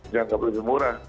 yang tidak lebih murah